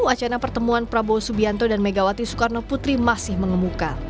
wacana pertemuan prabowo subianto dan megawati soekarno putri masih mengemuka